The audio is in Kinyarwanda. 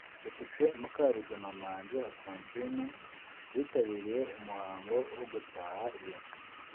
Depite Mukarugema Manzi Alphonsine witabiriye umuhango wo gutaha iyo nzu